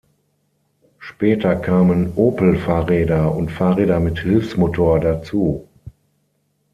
Später kamen Opel-Fahrräder und Fahrräder mit Hilfsmotor dazu.